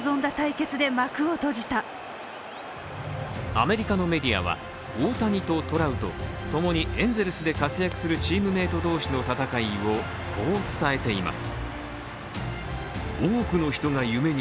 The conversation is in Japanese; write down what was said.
アメリカのメディアは、大谷とトラウト、ともにエンゼルスで活躍するチームメイト同士の戦いをこう伝えています。